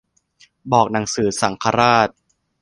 บอกหนังสือสังฆราช